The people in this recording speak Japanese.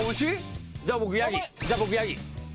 じゃあ僕ヤギ。